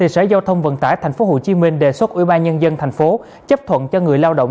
sở giao thông vận tải tp hcm đề xuất ủy ban nhân dân tp hcm chấp thuận cho người lao động